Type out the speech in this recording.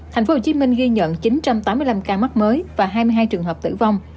tp hcm ghi nhận chín trăm tám mươi năm ca mắc mới và hai mươi hai trường hợp tử vong